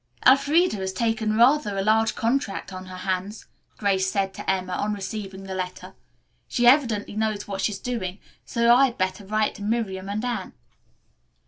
"Elfreda has taken rather a large contract on her hands," Grace had said to Emma, on receiving the letter. "She evidently knows what she's doing, so I had better write to Miriam and Anne."